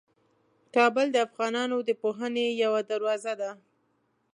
کابل د افغانانو د پوهنې یوه دروازه ده.